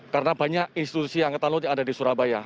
karena banyak institusi angkatan laut yang ada di surabaya